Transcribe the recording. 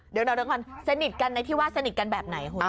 เดี๋ยวก่อนสนิทกันในที่ว่าสนิทกันแบบไหนคุณ